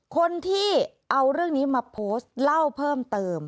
คนที่เอาเรื่องนี้มาโพสต์เล่าเพิ่มเติม